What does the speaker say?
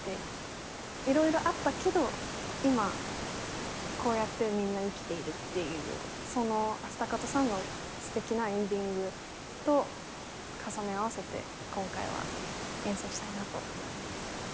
色々あったけど今こうやってみんな生きているっていうそのアシタカとサンの素敵なエンディングと重ね合わせて今回は演奏したいなと思います。